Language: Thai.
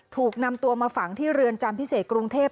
ถูกนำตัวมาฝังที่เรือนจำพิเศษกรุงเทพ